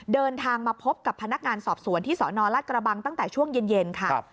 เดินทางมาพบกับพนักงานสอบสวนที่สนรัฐกระบังตั้งแต่ช่วงเย็นค่ะ